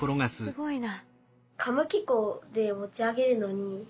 すごいな。